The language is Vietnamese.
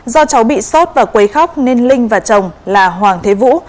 do cháu bị sốt và quấy khóc nên linh và chồng là hoàng thế vũ